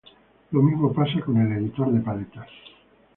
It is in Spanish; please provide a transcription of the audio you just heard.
Lo mismo pasa con el editor de paletas.